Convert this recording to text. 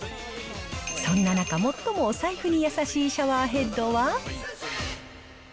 そんな中、最もお財布に優しいシャワーヘッドは。